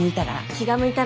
気が向いたら。